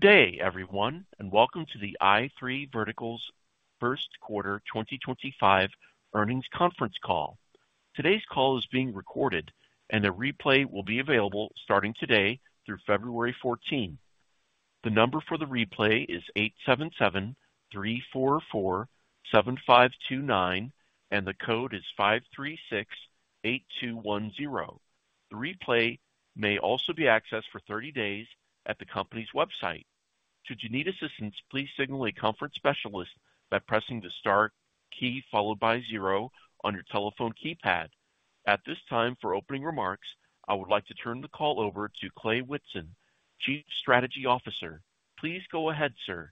Good day, everyone, and welcome to the i3 Verticals Q1 2025 earnings conference call. Today's call is being recorded, and the replay will be available starting today through February 14. The number for the replay is 877-344-7529, and the code is 5368210. The replay may also be accessed for 30 days at the company's website. Should you need assistance, please signal a conference specialist by pressing the star key followed by zero on your telephone keypad. At this time, for opening remarks, I would like to turn the call over to Clay Whitson, Chief Strategy Officer. Please go ahead, sir.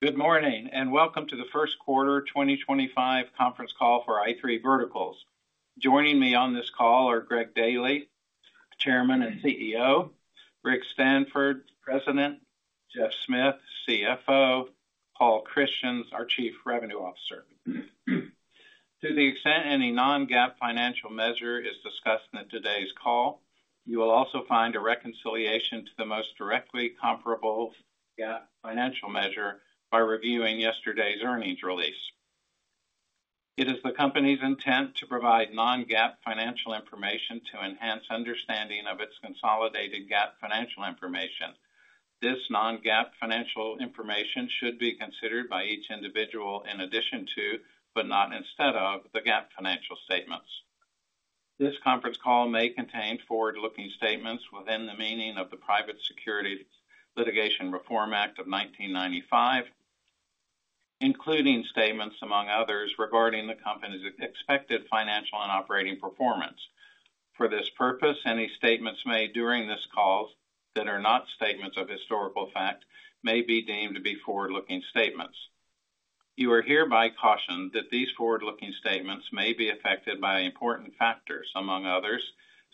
Good morning and welcome to the Q1 2025 conference call for i3 Verticals. Joining me on this call are Greg Daily, Chairman and CEO, Rick Stanford, President, Geoff Smith, CFO, Paul Christians, our Chief Revenue Officer. To the extent any non-GAAP financial measure is discussed in today's call, you will also find a reconciliation to the most directly comparable GAAP financial measure by reviewing yesterday's earnings release. It is the company's intent to provide non-GAAP financial information to enhance understanding of its consolidated GAAP financial information. This non-GAAP financial information should be considered by each individual in addition to, but not instead of, the GAAP financial statements. This conference call may contain forward-looking statements within the meaning of the Private Securities Litigation Reform Act of 1995, including statements, among others, regarding the company's expected financial and operating performance. For this purpose, any statements made during this call that are not statements of historical fact may be deemed to be forward-looking statements. You are hereby cautioned that these forward-looking statements may be affected by important factors, among others,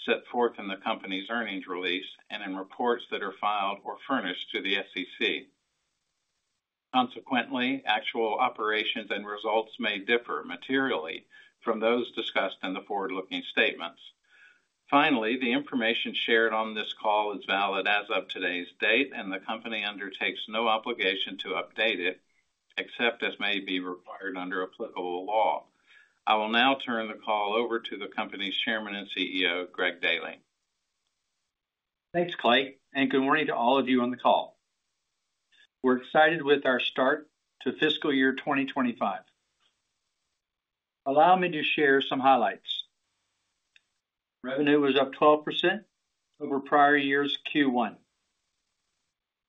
set forth in the company's earnings release and in reports that are filed or furnished to the SEC. Consequently, actual operations and results may differ materially from those discussed in the forward-looking statements. Finally, the information shared on this call is valid as of today's date, and the company undertakes no obligation to update it except as may be required under applicable law. I will now turn the call over to the company's Chairman and CEO, Greg Daily. Thanks, Clay, and good morning to all of you on the call. We're excited with our start to fiscal year 2025. Allow me to share some highlights. Revenue was up 12% over prior year's Q1,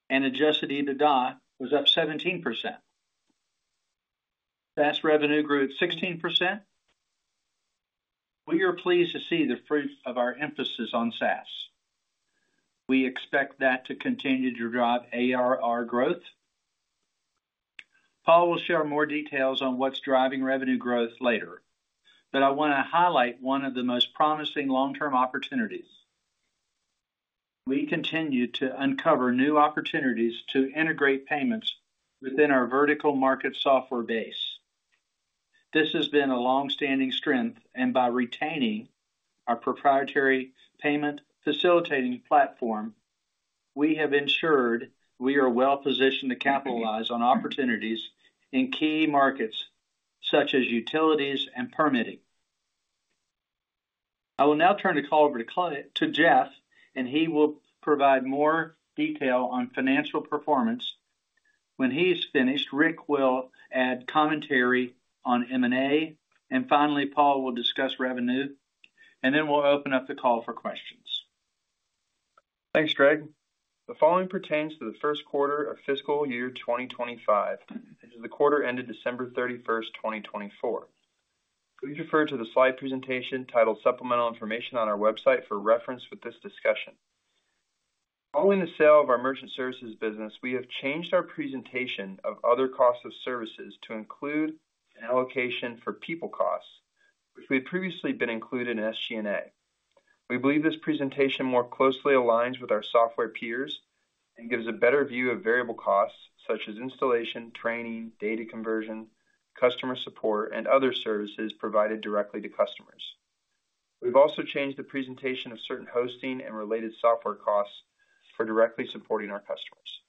and Adjusted EBITDA was up 17%. SaaS revenue grew 16%. We are pleased to see the fruits of our emphasis on SaaS. We expect that to continue to drive ARR growth. Paul will share more details on what's driving revenue growth later, but I want to highlight one of the most promising long-term opportunities. We continue to uncover new opportunities to integrate payments within our vertical market software base. This has been a longstanding strength, and by retaining our proprietary payment facilitator platform, we have ensured we are well positioned to capitalize on opportunities in key markets such as utilities and permitting. I will now turn the call over to Geoff, and he will provide more detail on financial performance. When he's finished, Rick will add commentary on M&A, and finally, Paul will discuss revenue, and then we'll open up the call for questions. Thanks, Greg. The following pertains to the Q1 of fiscal year 2025. This is the quarter ended December 31, 2024. Please refer to the slide presentation titled Supplemental Information on our website for reference with this discussion. Following the sale of our merchant services business, we have changed our presentation of other costs of services to include an allocation for people costs, which we had previously been included in SG&A. We believe this presentation more closely aligns with our software peers and gives a better view of variable costs such as installation, training, data conversion, customer support, and other services provided directly to customers. We've also changed the presentation of certain hosting and related software costs for directly supporting our customers.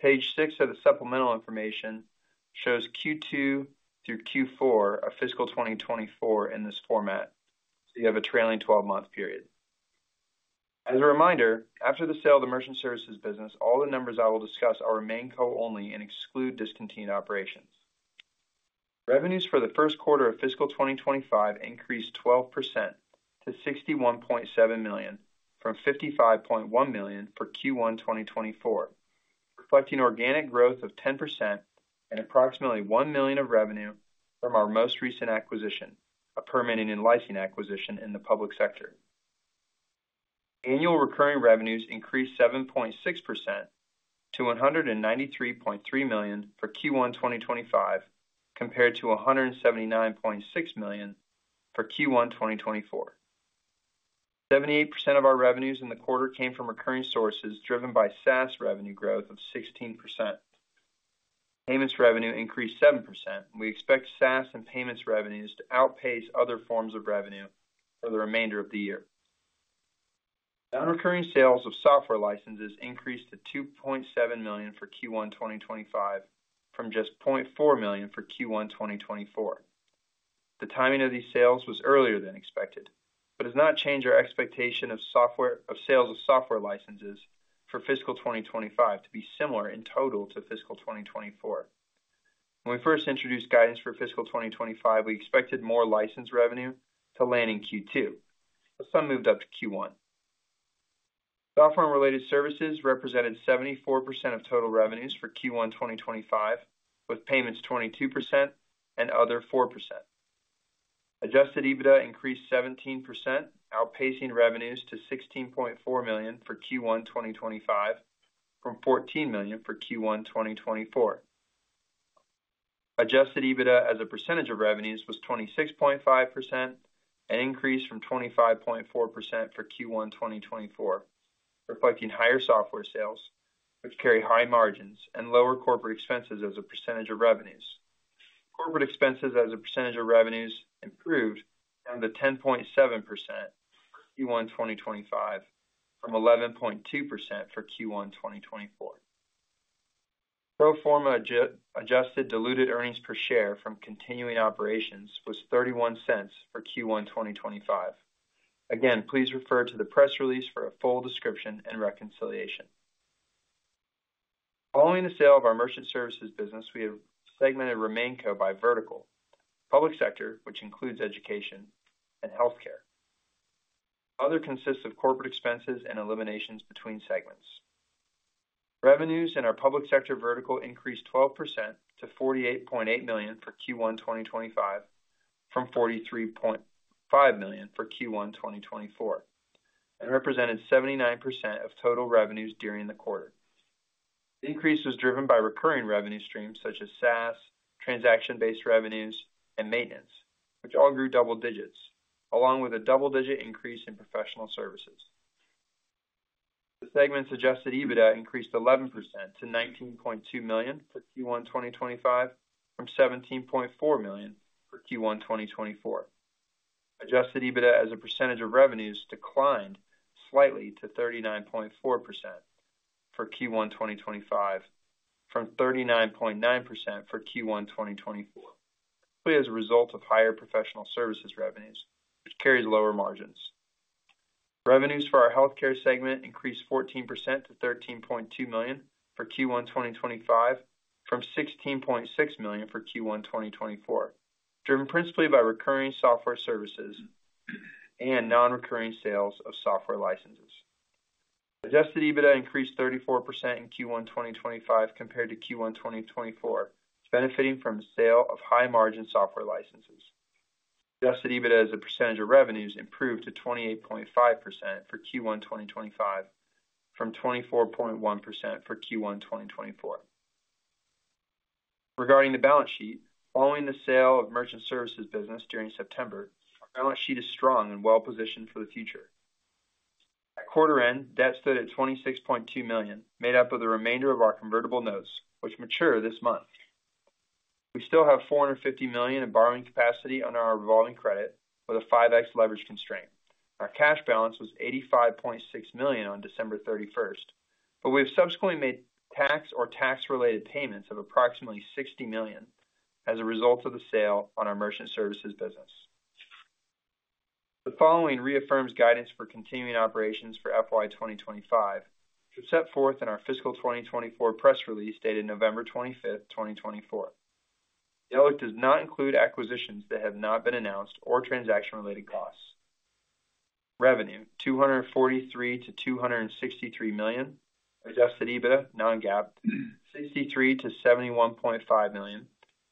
Page 6 of the supplemental information shows Q2 through Q4 of fiscal 2024 in this format, so you have a trailing 12-month period. As a reminder, after the sale of the merchant services business, all the numbers I will discuss are RemainCo-only and exclude discontinued operations. Revenues for the Q1 of Fiscal 2025 increased 12% to $61.7 million from $55.1 million for Q1 2024, reflecting organic growth of 10% and approximately $1 million of revenue from our most recent acquisition, a permitting and licensing acquisition in the Public Sector. Annual recurring revenues increased 7.6% to $193.3 million for Q1 2025, compared to $179.6 million for Q1 2024. 78% of our revenues in the quarter came from recurring sources driven by SaaS revenue growth of 16%. Payments revenue increased 7%. We expect SaaS and payments revenues to outpace other forms of revenue for the remainder of the year. Non-recurring sales of software licenses increased to $2.7 million for Q1 2025 from just $0.4 million for Q1 2024. The timing of these sales was earlier than expected but has not changed our expectation of sales of software licenses for Fiscal 2025 to be similar in total to Fiscal 2024. When we first introduced guidance for Fiscal 2025, we expected more license revenue to land in Q2, but some moved up to Q1. Software-related services represented 74% of total revenues for Q1 2025, with payments 22% and other 4%. Adjusted EBITDA increased 17%, outpacing revenues to $16.4 million for Q1 2025 from $14 million for Q1 2024. Adjusted EBITDA as a percentage of revenues was 26.5%, an increase from 25.4% for Q1 2024, reflecting higher software sales, which carry high margins, and lower corporate expenses as a percentage of revenues. Corporate expenses as a percentage of revenues improved down to 10.7% for Q1 2025 from 11.2% for Q1 2024. Pro forma adjusted diluted earnings per share from continuing operations was $0.31 for Q1 2025. Again, please refer to the press release for a full description and reconciliation. Following the sale of our merchant services business, we have segmented RemainCo by vertical: Public Sector, which includes Education and Healthcare. Other consists of corporate expenses and eliminations between segments. Revenues in our Public Sector vertical increased 12% to $48.8 million for Q1 2025 from $43.5 million for Q1 2024 and represented 79% of total revenues during the quarter. The increase was driven by recurring revenue streams such as SaaS, transaction-based revenues, and maintenance, which all grew double digits, along with a double-digit increase in professional services. The segment's Adjusted EBITDA increased 11% to $19.2 million for Q1 2025 from $17.4 million for Q1 2024. Adjusted EBITDA as a percentage of revenues declined slightly to 39.4% for Q1 2025 from 39.9% for Q1 2024, clear as a result of higher professional services revenues, which carries lower margins. Revenues for our Healthcare segment increased 14% to $13.2 million for Q1 2025 from $16.6 million for Q1 2024, driven principally by recurring software services and non-recurring sales of software licenses. Adjusted EBITDA increased 34% in Q1 2025 compared to Q1 2024, benefiting from the sale of high-margin software licenses. Adjusted EBITDA as a percentage of revenues improved to 28.5% for Q1 2025 from 24.1% for Q1 2024. Regarding the balance sheet, following the sale of merchant services business during September, our balance sheet is strong and well positioned for the future. At quarter end, debt stood at $26.2 million, made up of the remainder of our convertible notes, which mature this month. We still have $450 million in borrowing capacity under our revolving credit with a 5X leverage constraint. Our cash balance was $85.6 million on December 31, but we have subsequently made tax or tax-related payments of approximately $60 million as a result of the sale on our merchant services business. The following reaffirms guidance for continuing operations for FY 2025, which was set forth in our fiscal 2024 press release dated November 25, 2024. The outlook does not include acquisitions that have not been announced or transaction-related costs. Revenue: $243 million-$263 million. Adjusted EBITDA, non-GAAP: $63 million-$71.5 million.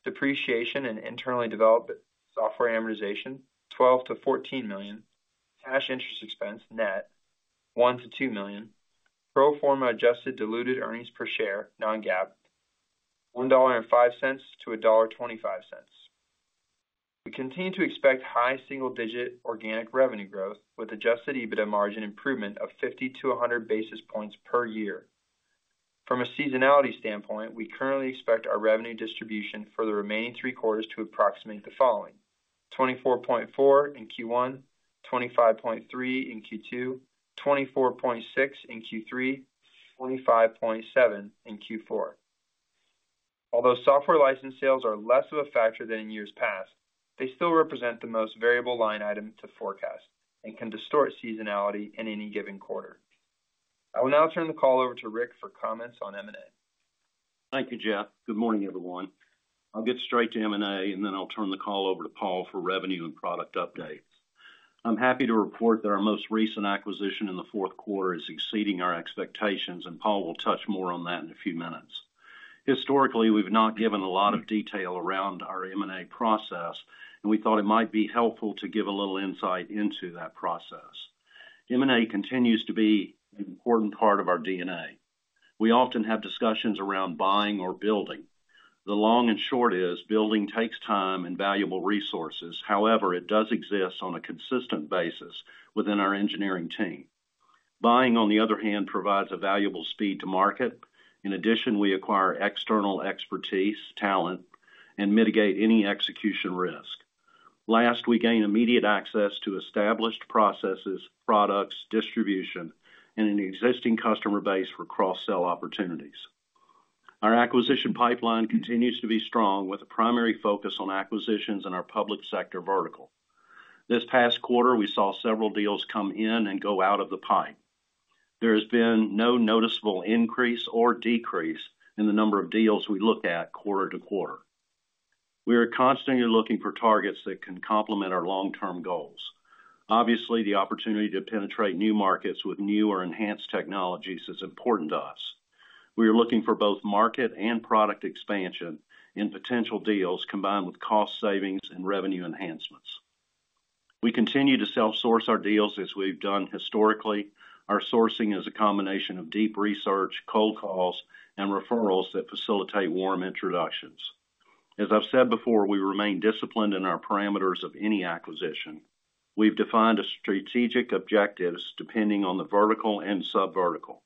Depreciation and internally developed software amortization: $12 million-$14 million. Cash interest expense: net: $1 million-$2 million. Pro forma adjusted diluted earnings per share, non-GAAP: $1.05-$1.25. We continue to expect high single-digit organic revenue growth with Adjusted EBITDA margin improvement of 50-100 basis points per year. From a seasonality standpoint, we currently expect our revenue distribution for the remaining three quarters to approximate the following: 24.4 in Q1, 25.3 in Q2, 24.6 in Q3, 25.7 in Q4. Although software license sales are less of a factor than in years past, they still represent the most variable line item to forecast and can distort seasonality in any given quarter. I will now turn the call over to Rick for comments on M&A. Thank you, Geoff. Good morning, everyone. I'll get straight to M&A, and then I'll turn the call over to Paul for revenue and product updates. I'm happy to report that our most recent acquisition in the fourth quarter is exceeding our expectations, and Paul will touch more on that in a few minutes. Historically, we've not given a lot of detail around our M&A process, and we thought it might be helpful to give a little insight into that process. M&A continues to be an important part of our DNA. We often have discussions around buying or building. The long and short is building takes time and valuable resources. However, it does exist on a consistent basis within our engineering team. Buying, on the other hand, provides a valuable speed to market. In addition, we acquire external expertise, talent, and mitigate any execution risk. Last, we gain immediate access to established processes, products, distribution, and an existing customer base for cross-sell opportunities. Our acquisition pipeline continues to be strong, with a primary focus on acquisitions in our Public Sector vertical. This past quarter, we saw several deals come in and go out of the pipe. There has been no noticeable increase or decrease in the number of deals we look at quarter to quarter. We are constantly looking for targets that can complement our long-term goals. Obviously, the opportunity to penetrate new markets with new or enhanced technologies is important to us. We are looking for both market and product expansion in potential deals, combined with cost savings and revenue enhancements. We continue to self-source our deals as we've done historically. Our sourcing is a combination of deep research, cold calls, and referrals that facilitate warm introductions. As I've said before, we remain disciplined in our parameters of any acquisition. We've defined strategic objectives depending on the vertical and subvertical.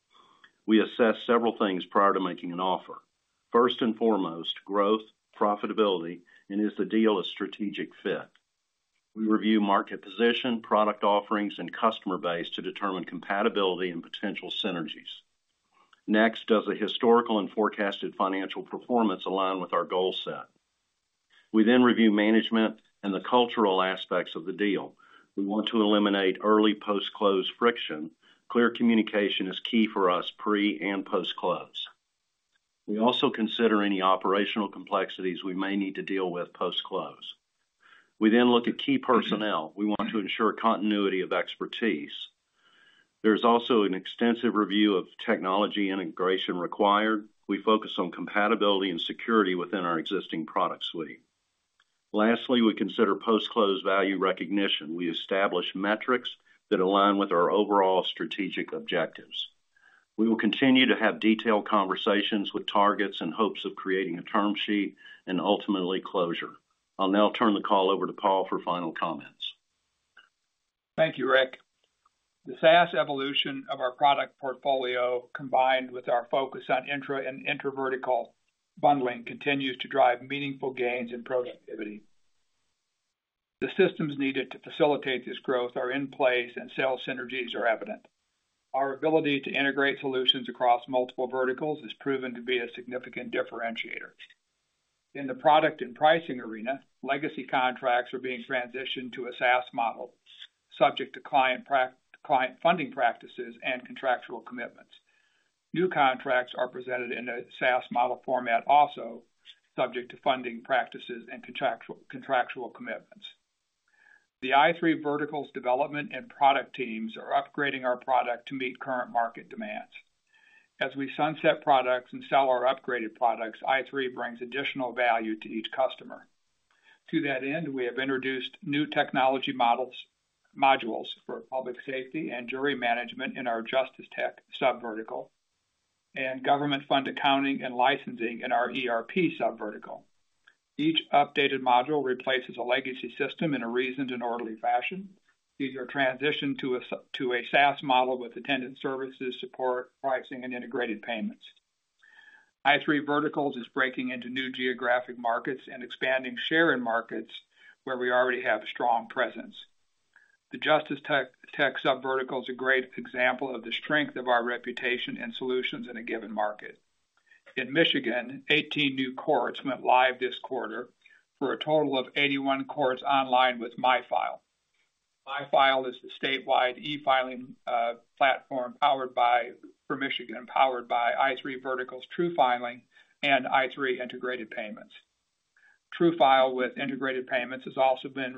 We assess several things prior to making an offer. First and foremost, growth, profitability, and is the deal a strategic fit. We review market position, product offerings, and customer base to determine compatibility and potential synergies. Next, does a historical and forecasted financial performance align with our goal set? We then review management and the cultural aspects of the deal. We want to eliminate early post-close friction. Clear communication is key for us pre and post-close. We also consider any operational complexities we may need to deal with post-close. We then look at key personnel. We want to ensure continuity of expertise. There is also an extensive review of technology integration required. We focus on compatibility and security within our existing product suite. Lastly, we consider post-close value recognition. We establish metrics that align with our overall strategic objectives. We will continue to have detailed conversations with targets and hopes of creating a term sheet and ultimately closure. I'll now turn the call over to Paul for final comments. Thank you, Rick. The SaaS evolution of our product portfolio, combined with our focus on intra- and inter-vertical bundling, continues to drive meaningful gains in productivity. The systems needed to facilitate this growth are in place, and sales synergies are evident. Our ability to integrate solutions across multiple verticals has proven to be a significant differentiator. In the product and pricing arena, legacy contracts are being transitioned to a SaaS model, subject to client funding practices and contractual commitments. New contracts are presented in a SaaS model format also, subject to funding practices and contractual commitments. The i3 Verticals Development and Product teams are upgrading our product to meet current market demands. As we sunset products and sell our upgraded products, i3 brings additional value to each customer. To that end, we have introduced new technology modules for public safety and jury management in our JusticeTech subvertical and government-funded accounting and licensing in our ERP subvertical. Each updated module replaces a legacy system in a reasoned and orderly fashion. These are transitioned to a SaaS model with attendant services, support, pricing, and integrated payments. i3 Verticals is breaking into new geographic markets and expanding share in markets where we already have a strong presence. The JusticeTech subvertical is a great example of the strength of our reputation and solutions in a given market. In Michigan, 18 new courts went live this quarter for a total of 81 courts online with MiFILE. MiFILE is the statewide e-filing platform for Michigan, powered by i3 Verticals TrueFiling and i3 Integrated Payments. TrueFiling with Integrated Payments has also been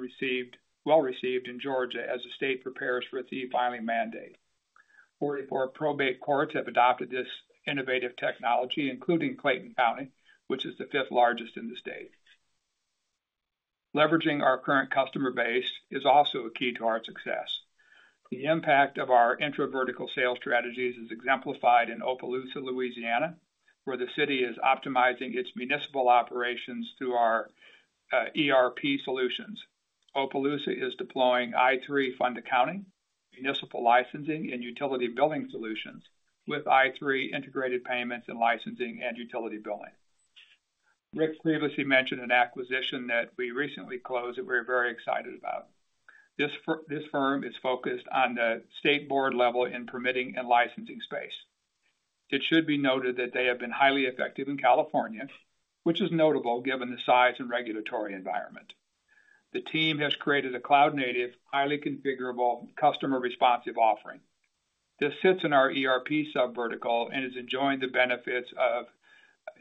well received in Georgia as the state prepares for its e-filing mandate. 44 probate courts have adopted this innovative technology, including Clayton County, which is the fifth largest in the state. Leveraging our current customer base is also a key to our success. The impact of our intravertical sales strategies is exemplified in Opelousas, Louisiana, where the city is optimizing its municipal operations through our ERP solutions. Opelousas is deploying i3 Fund Accounting, municipal licensing, and utility billing solutions with i3 Integrated Payments and licensing and utility billing. Rick previously mentioned an acquisition that we recently closed that we're very excited about. This firm is focused on the state board level in permitting and licensing space. It should be noted that they have been highly effective in California, which is notable given the size and regulatory environment. The team has created a cloud-native, highly configurable, customer-responsive offering. This sits in our ERP subvertical and is enjoying the benefits of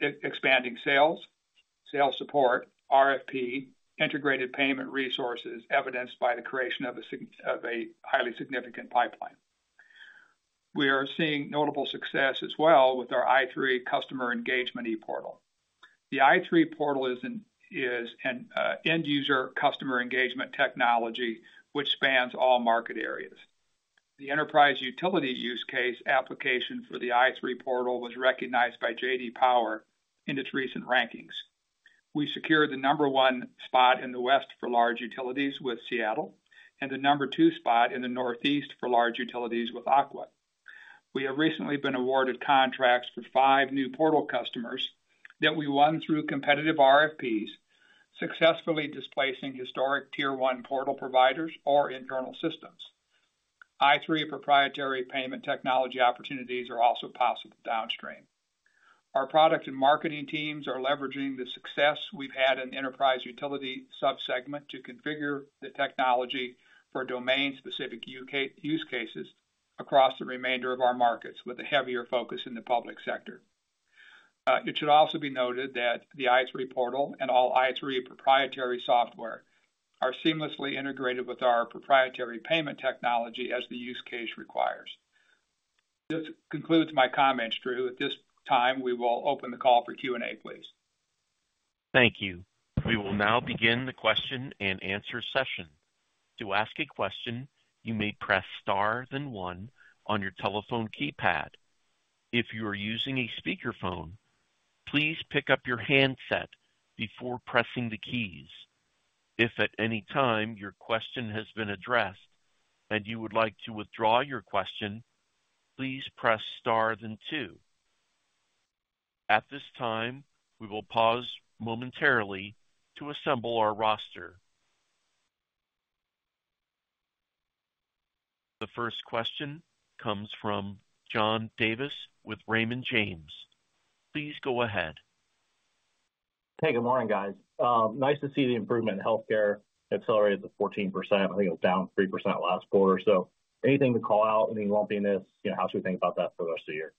expanding sales, sales support, RFP, integrated payment resources evidenced by the creation of a highly significant pipeline. We are seeing notable success as well with our i3 Customer Engagement Portal. The i3 Portal is an end-user customer engagement technology, which spans all market areas. The enterprise utility use case application for the i3 Portal was recognized by J.D. Power in its recent rankings. We secured the number one spot in the West for large utilities with Seattle and the number two spot in the Northeast for large utilities with Aqua. We have recently been awarded contracts for five new portal customers that we won through competitive RFPs, successfully displacing historic tier-one portal providers or internal systems. i3 proprietary payment technology opportunities are also possible downstream. Our product and marketing teams are leveraging the success we've had in the enterprise utility subsegment to configure the technology for domain-specific use cases across the remainder of our markets, with a heavier focus in the Public Sector. It should also be noted that the i3 Portal and all i3 proprietary software are seamlessly integrated with our proprietary payment technology as the use case requires. This concludes my comments, Drew. At this time, we will open the call for Q&A, please. Thank you. We will now begin the question and answer session. To ask a question, you may press star then one on your telephone keypad. If you are using a speakerphone, please pick up your handset before pressing the keys. If at any time your question has been addressed and you would like to withdraw your question, please press star then two. At this time, we will pause momentarily to assemble our roster. The first question comes from John Davis with Raymond James. Please go ahead. Hey, good morning, guys. Nice to see the improvement. Healthcare accelerated to 14%. I think it was down 3% last quarter. So anything to call out, any lumpiness? How should we think about that for the rest of the year?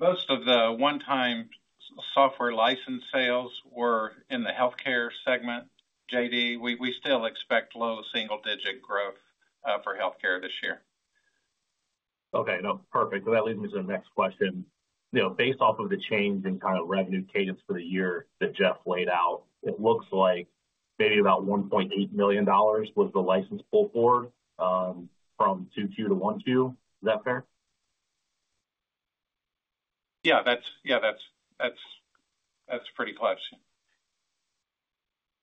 Most of the one-time software license sales were in the Healthcare segment. JD, we still expect low single-digit growth for Healthcare this year. Okay. No, perfect. So that leads me to the next question. Based off of the change in kind of revenue cadence for the year that Geoff laid out, it looks like maybe about $1.8 million was the license pull forward from 2Q to 1Q. Is that fair? Yeah, that's pretty close.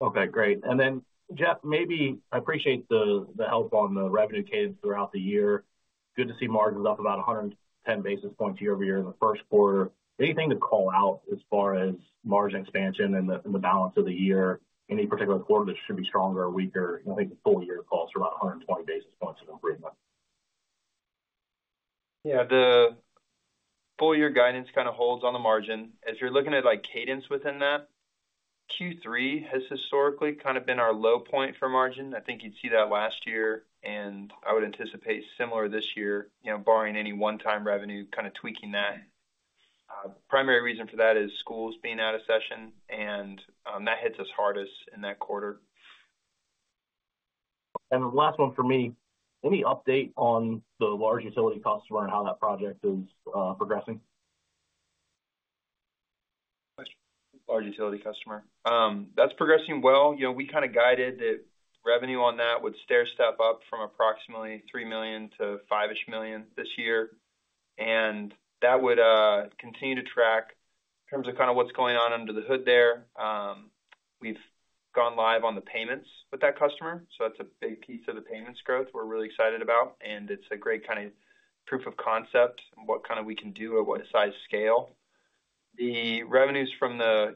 Okay, great. And then, Geoff, maybe I appreciate the help on the revenue cadence throughout the year. Good to see margins up about 110 basis points year-over-year in the first quarter. Anything to call out as far as margin expansion and the balance of the year? Any particular quarter that should be stronger or weaker? I think the full year calls for about 120 basis points of improvement. Yeah, the full year guidance kind of holds on the margin. If you're looking at cadence within that, Q3 has historically kind of been our low point for margin. I think you'd see that last year, and I would anticipate similar this year, barring any one-time revenue, kind of tweaking that. Primary reason for that is schools being out of session, and that hits us hardest in that quarter. The last one for me, any update on the large utility customer and how that project is progressing? Large utility customer. That's progressing well. We kind of guided the revenue on that would stair step up from approximately $3 million to $5-ish million this year, and that would continue to track in terms of kind of what's going on under the hood there. We've gone live on the payments with that customer. So that's a big piece of the payments growth we're really excited about, and it's a great kind of proof of concept and what kind of we can do at what size scale. The revenues from the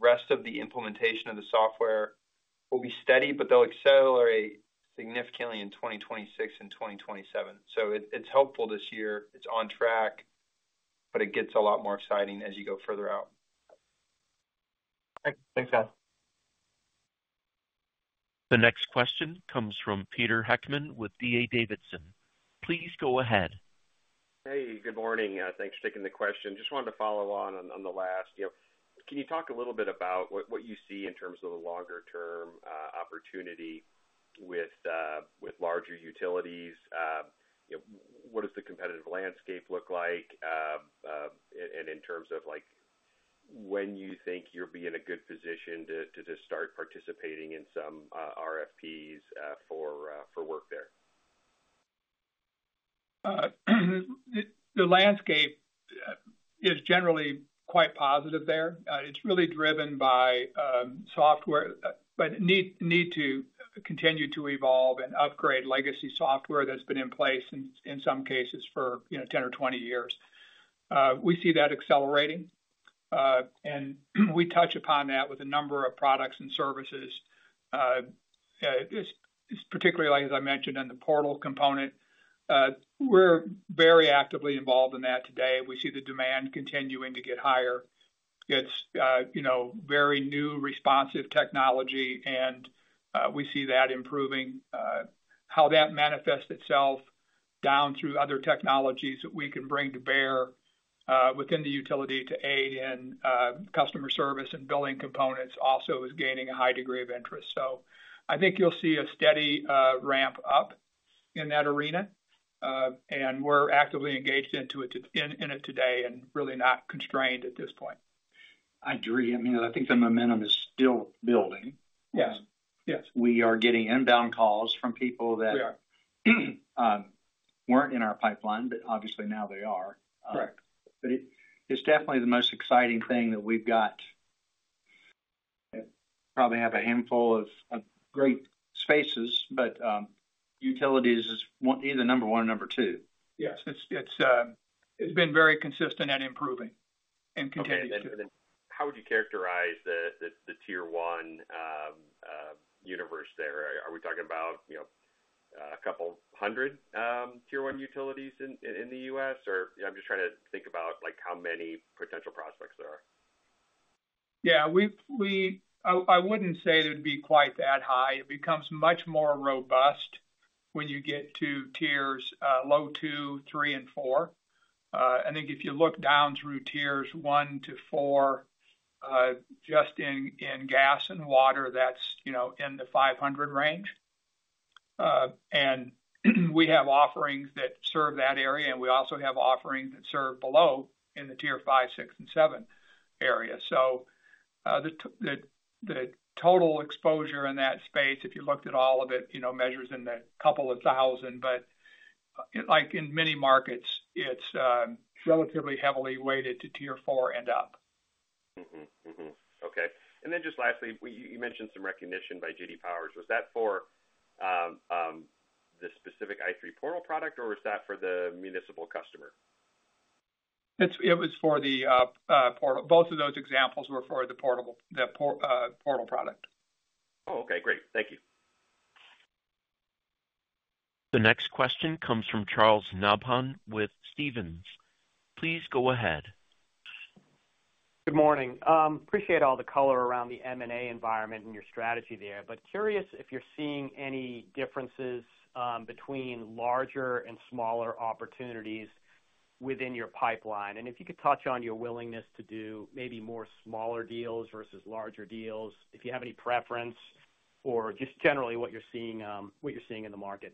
rest of the implementation of the software will be steady, but they'll accelerate significantly in 2026 and 2027, so it's helpful this year. It's on track, but it gets a lot more exciting as you go further out. Thanks, guys. The next question comes from Peter Heckmann with D.A. Davidson. Please go ahead. Hey, good morning. Thanks for taking the question. Just wanted to follow on the last. Can you talk a little bit about what you see in terms of the longer-term opportunity with larger utilities? What does the competitive landscape look like? And in terms of when you think you'll be in a good position to just start participating in some RFPs for work there? The landscape is generally quite positive there. It's really driven by software, but need to continue to evolve and upgrade legacy software that's been in place in some cases for 10 or 20 years. We see that accelerating, and we touch upon that with a number of products and services, particularly as I mentioned in the portal component. We're very actively involved in that today. We see the demand continuing to get higher. It's very new responsive technology, and we see that improving. How that manifests itself down through other technologies that we can bring to bear within the utility to aid in customer service and billing components also is gaining a high degree of interest, so I think you'll see a steady ramp up in that arena, and we're actively engaged in it today and really not constrained at this point. I agree. I mean, I think the momentum is still building. We are getting inbound calls from people that weren't in our pipeline, but obviously now they are. But it's definitely the most exciting thing that we've got. Probably have a handful of great spaces, but utilities is either number one or number two. Yes. It's been very consistent and improving and continuing. How would you characterize the tier-one universe there? Are we talking about a couple hundred tier-one utilities in the U.S.? Or I'm just trying to think about how many potential prospects there are. Yeah. I wouldn't say it would be quite that high. It becomes much more robust when you get to tiers low two, three, and four. I think if you look down through tiers one to four, just in gas and water, that's in the 500 range. And we have offerings that serve that area, and we also have offerings that serve below in the tier five, six, and seven area. So the total exposure in that space, if you looked at all of it, measures in the couple of thousand, but in many markets, it's relatively heavily weighted to tier four and up. Okay. And then just lastly, you mentioned some recognition by J.D. Power. Was that for the specific i3 Portal product, or was that for the municipal customer? It was for the portal. Both of those examples were for the portal product. Oh, okay. Great. Thank you. The next question comes from Charles Nabhan with Stephens. Please go ahead. Good morning. Appreciate all the color around the M&A environment and your strategy there, but curious if you're seeing any differences between larger and smaller opportunities within your pipeline, and if you could touch on your willingness to do maybe more smaller deals versus larger deals, if you have any preference, or just generally what you're seeing in the market?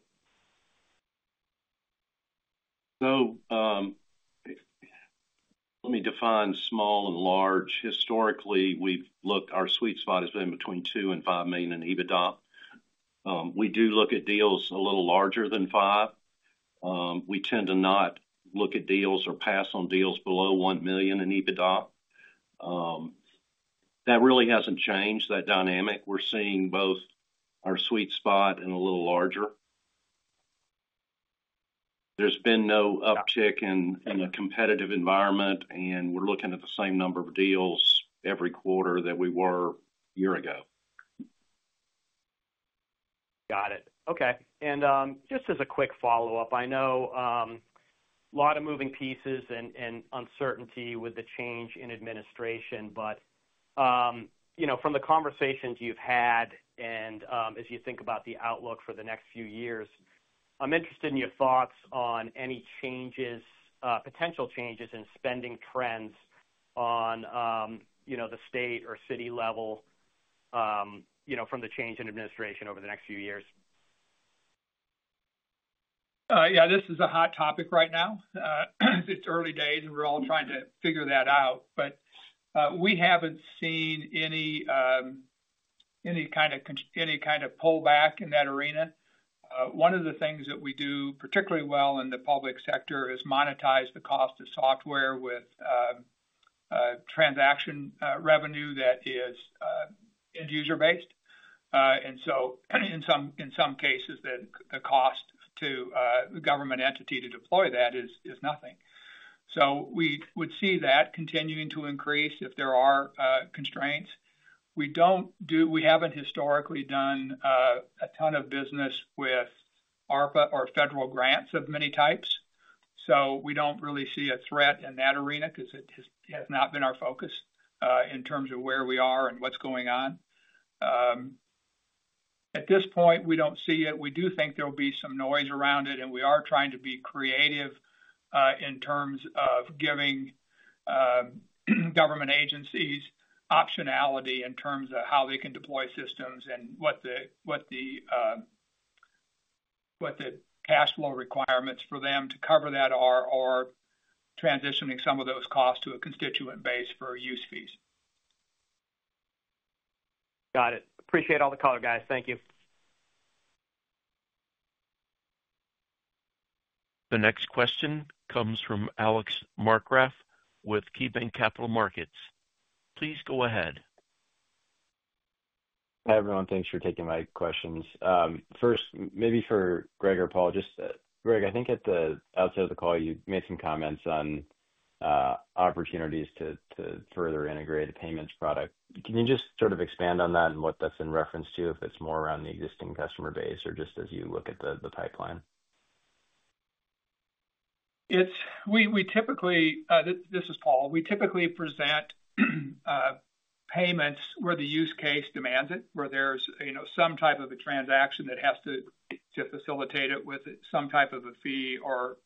So let me define small and large. Historically, our sweet spot has been between two and five million in EBITDA. We do look at deals a little larger than five. We tend to not look at deals or pass on deals below one million in EBITDA. That really hasn't changed, that dynamic. We're seeing both our sweet spot and a little larger. There's been no uptick in the competitive environment, and we're looking at the same number of deals every quarter that we were a year ago. Got it. Okay, and just as a quick follow-up, I know a lot of moving pieces and uncertainty with the change in administration, but from the conversations you've had and as you think about the outlook for the next few years, I'm interested in your thoughts on any potential changes in spending trends on the state or city level from the change in administration over the next few years. Yeah, this is a hot topic right now. It's early days, and we're all trying to figure that out. But we haven't seen any kind of pullback in that arena. One of the things that we do particularly well in the Public Sector is monetize the cost of software with transaction revenue that is end-user-based. And so in some cases, the cost to a government entity to deploy that is nothing. So we would see that continuing to increase if there are constraints. We haven't historically done a ton of business with ARPA or federal grants of many types. So we don't really see a threat in that arena because it has not been our focus in terms of where we are and what's going on. At this point, we don't see it. We do think there'll be some noise around it, and we are trying to be creative in terms of giving government agencies optionality in terms of how they can deploy systems and what the cash flow requirements for them to cover that are or transitioning some of those costs to a constituent base for use fees. Got it. Appreciate all the color, guys. Thank you. The next question comes from Alex Markgraf with KeyBanc Capital Markets. Please go ahead. Hi everyone. Thanks for taking my questions. First, maybe for Greg or Paul, just Greg, I think at the outset of the call, you made some comments on opportunities to further integrate a payments product. Can you just sort of expand on that and what that's in reference to, if it's more around the existing customer base or just as you look at the pipeline? This is Paul. We typically present payments where the use case demands it, where there's some type of a transaction that has to facilitate it with some type of a fee or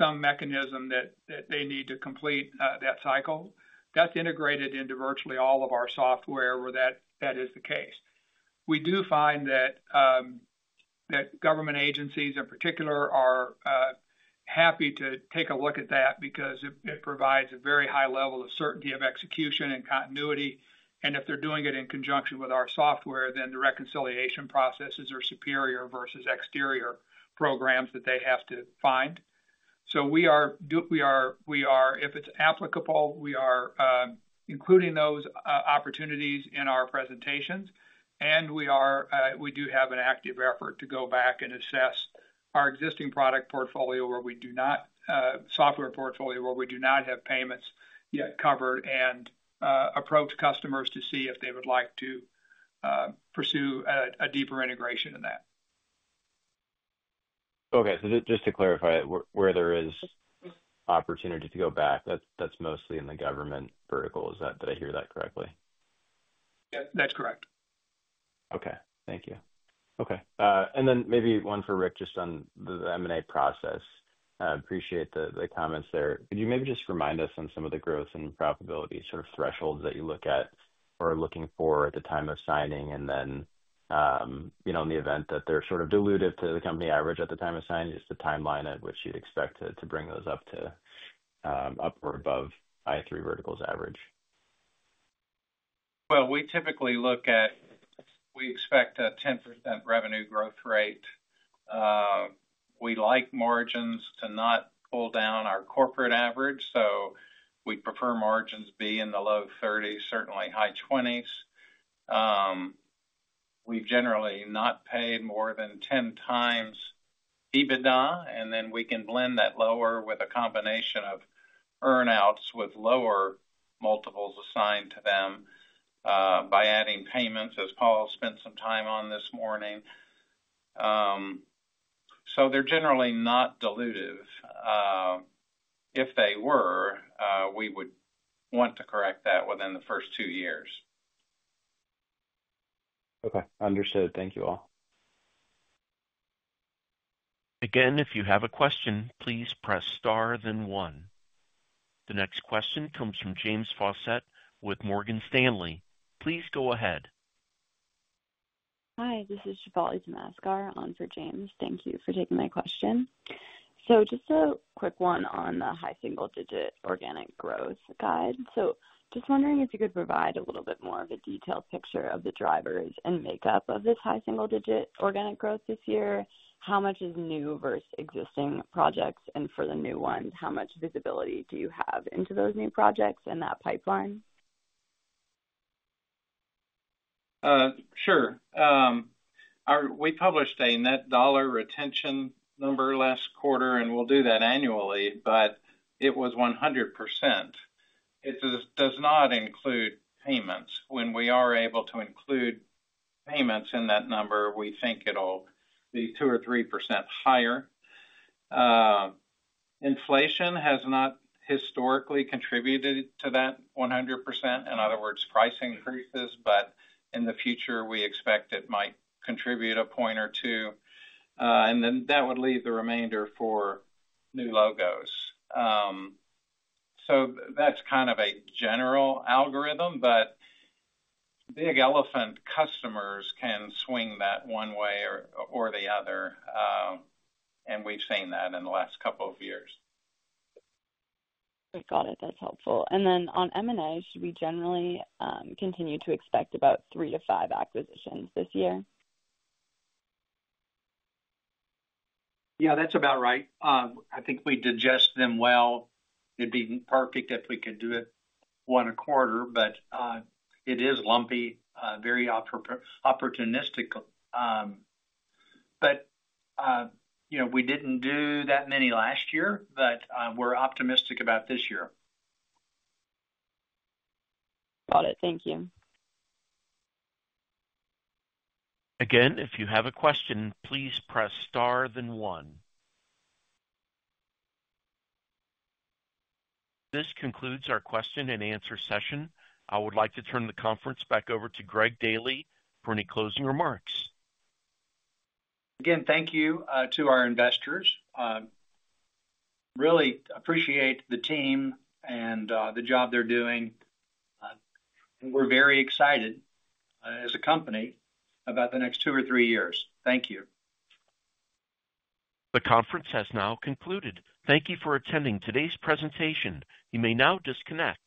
some mechanism that they need to complete that cycle. That's integrated into virtually all of our software where that is the case. We do find that government agencies in particular are happy to take a look at that because it provides a very high level of certainty of execution and continuity. And if they're doing it in conjunction with our software, then the reconciliation processes are superior versus external programs that they have to find. So we are, if it's applicable, including those opportunities in our presentations. We do have an active effort to go back and assess our existing product portfolio where we do not have payments yet covered and approach customers to see if they would like to pursue a deeper integration in that. Okay, so just to clarify, where there is opportunity to go back, that's mostly in the government vertical. Is that, did I hear that correctly? Yep. That's correct. Okay. Thank you. Okay. And then maybe one for Rick just on the M&A process. Appreciate the comments there. Could you maybe just remind us on some of the growth and profitability sort of thresholds that you look at or are looking for at the time of signing? And then in the event that they're sort of diluted to the company average at the time of signing, just the timeline at which you'd expect to bring those up to or above i3 Verticals average? We typically look at. We expect a 10% revenue growth rate. We like margins to not pull down our corporate average. We prefer margins be in the low 30s, certainly high 20s. We've generally not paid more than 10 times EBITDA, and then we can blend that lower with a combination of earnouts with lower multiples assigned to them by adding payments, as Paul spent some time on this morning. They're generally not dilutive. If they were, we would want to correct that within the first two years. Okay. Understood. Thank you all. Again, if you have a question, please press star, then one. The next question comes from James Fawcett with Morgan Stanley. Please go ahead. Hi. This is Shefali Damaskar on for James. Thank you for taking my question. Just a quick one on the high single-digit organic growth guide. Just wondering if you could provide a little bit more of a detailed picture of the drivers and makeup of this high single-digit organic growth this year. How much is new versus existing projects? And for the new ones, how much visibility do you have into those new projects and that pipeline? Sure. We published a Net Dollar Retention number last quarter, and we'll do that annually, but it was 100%. It does not include payments. When we are able to include payments in that number, we think it'll be 2% or 3% higher. Inflation has not historically contributed to that 100%. In other words, price increases, but in the future, we expect it might contribute a point or two. And then that would leave the remainder for new logos. So that's kind of a general algorithm, but big elephant customers can swing that one way or the other. And we've seen that in the last couple of years. I've got it. That's helpful. And then on M&A, should we generally continue to expect about three to five acquisitions this year? Yeah, that's about right. I think we digest them well. It'd be perfect if we could do it one a quarter, but it is lumpy, very opportunistic. But we didn't do that many last year, but we're optimistic about this year. Got it. Thank you. Again, if you have a question, please press star, then one. This concludes our question and answer session. I would like to turn the conference back over to Greg Daily for any closing remarks. Again, thank you to our investors. Really appreciate the team and the job they're doing. We're very excited as a company about the next two or three years. Thank you. The conference has now concluded. Thank you for attending today's presentation. You may now disconnect.